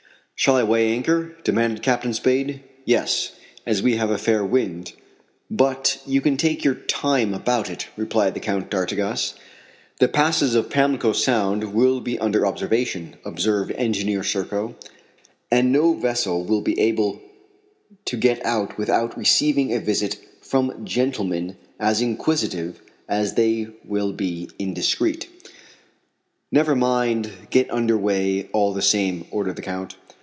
"Shall I weigh anchor?" demanded Captain Spade. "Yes, as we have a fair wind; but you can take your time about it," replied the Count d'Artigas. "The passes of Pamlico Sound will be under observation," observed Engineer Serko, "and no vessel will be able to get out without receiving a visit from gentlemen as inquisitive as they will be indiscreet." "Never mind, get under way all the same," ordered the Count.